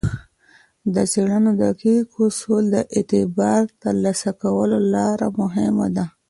د څیړنو دقیق اصول د اعتبار ترلاسه کولو لپاره مهم دي.